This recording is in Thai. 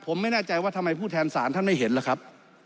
ผมไม่แน่ใจว่าทำไมผู้แทนศาลท่านไม่เห็นล่ะครับ